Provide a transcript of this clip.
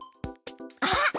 あっ！